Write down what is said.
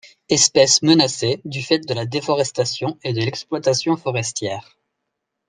Espèce menacée du fait de la déforestation et l'exploitation forestière.